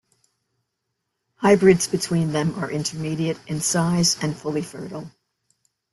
Hybrids between them are intermediate in size and fully fertile.